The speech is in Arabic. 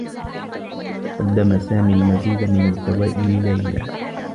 قدّم سامي المزيد من الدّواء لليلى.